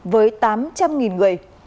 với tám trăm linh nghìn người